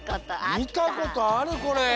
みたことあるこれ！